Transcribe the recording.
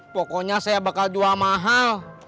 pokoknya saya bakal jual mahal